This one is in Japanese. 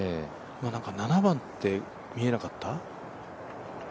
７番って見えなかった？